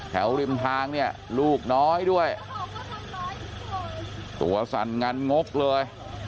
ริมทางเนี่ยลูกน้อยด้วยตัวสั่นงันงกเลย